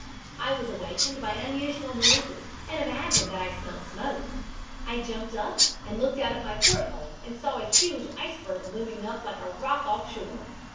I was awakened by unusual noises and imagined that I smelled smoke. I jumped up and looked out of my port hole, and saw a huge iceberg looming up like a rock off shore.